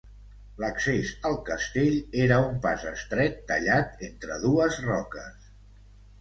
L'accés al castell era un pas estret tallat entre dues roques.